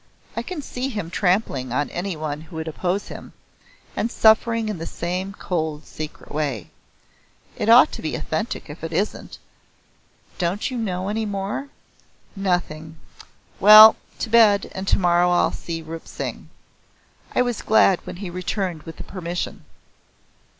I can see him trampling on any one who opposed him, and suffering in the same cold secret way. It ought to be authentic if it isn't. Don't you know any more?" "Nothing. Well to bed, and tomorrow I'll see Rup Singh." I was glad when he returned with the permission.